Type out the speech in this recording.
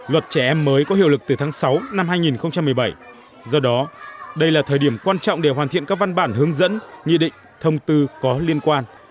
luật trẻ em mới có hiệu lực từ tháng sáu năm hai nghìn một mươi bảy do đó đây là thời điểm quan trọng để hoàn thiện các văn bản hướng dẫn nghị định thông tư có liên quan